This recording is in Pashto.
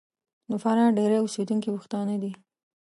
د فراه ډېری اوسېدونکي پښتانه دي.